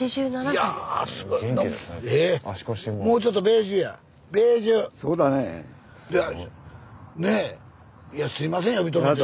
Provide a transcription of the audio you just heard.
いやすいません呼び止めて。